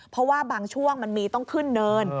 เพราะว่าบางช่วงมันมีต้องขึ้นเนิน